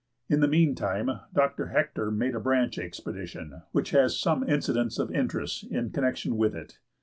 In the meantime Dr. Hector made a branch expedition which has some incidents of interest in connection with it.